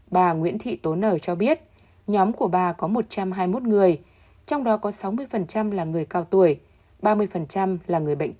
bà nguyễn thị tố nở cho biết nhóm của bà có một trăm hai mươi một người trong đó có sáu mươi là người cao tuổi ba mươi là người bệnh tật